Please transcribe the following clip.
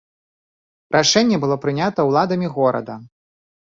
Рашэнне было прынята ўладамі горада.